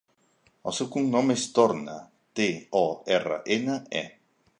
El seu cognom és Torne: te, o, erra, ena, e.